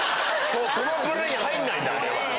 その部類に入んないんだあれは。